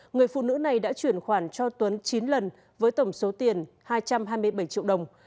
người phụ nữ này đã chuyển khoản cho tuấn chín lần với tổng số tiền hai trăm hai mươi bảy triệu đồng